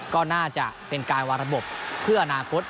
ก็น่าจะเป็นการวางระบบเพื่ออนาคต